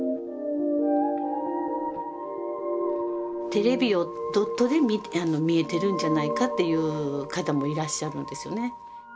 テレビをドットで見えてるんじゃないかって言う方もいらっしゃるんですよね。